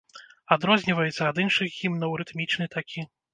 Адрозніваецца ад іншых гімнаў, рытмічны такі.